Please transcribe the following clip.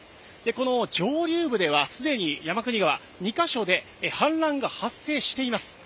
この上流部では山国川、２か所で氾濫が発生しています。